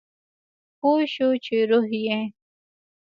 پوه شو چې روح یې